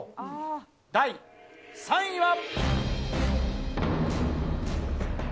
第３位は。